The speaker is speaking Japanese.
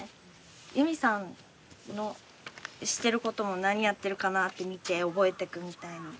ユミさんのしてることも何やってるかな？って見て覚えていくみたいな。